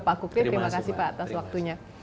pak kuktir terima kasih pak atas waktunya